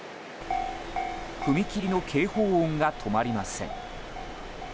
踏切の警報音が止まりません。